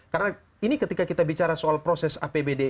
karena ini ketika kita bicara soal proses apbd